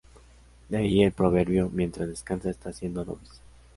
De ahí el proverbio: "mientras descansa está haciendo adobes".